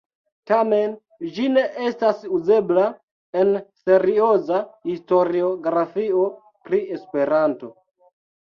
Tamen, ĝi ne estas uzebla en serioza historiografio pri Esperanto.